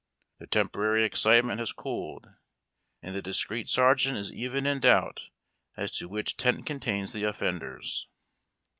Their temporary excitement has cooled, and the discreet sergeant is even in doubt as to which tent contains the offenders.